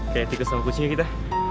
kayak tikus sama kucingnya kita